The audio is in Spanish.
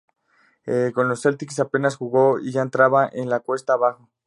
Con los Celtics apenas jugó y ya entraba en la cuesta abajo.